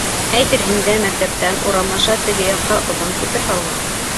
Әйтерһең дә, мәктәптән урам аша теге яҡҡа оҙон күпер һалынған.